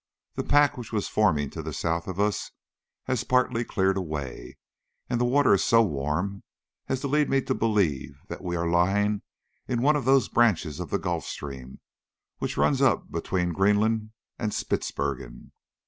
The pack which was forming to the south of us has partly cleared away, and the water is so warm as to lead me to believe that we are lying in one of those branches of the gulf stream which run up between Greenland and Spitzbergen.